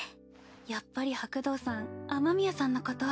やっぱり白道さん雨宮さんのこと。